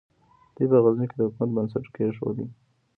دوی په غزني کې د حکومت بنسټ کېښود.